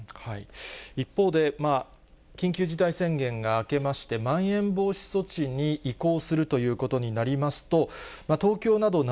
一方で、緊急事態宣言が明けまして、まん延防止措置に移行するということになりますと、東京など７